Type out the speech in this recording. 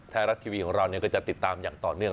ไทยรัฐทีวีของเราก็จะติดตามอย่างต่อเนื่อง